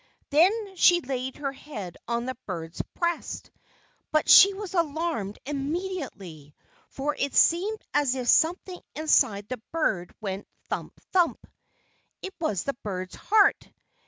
Then she laid her head on the bird's breast, but she was alarmed immediately, for it seemed as if something inside the bird went "thump, thump." It was the bird's heart!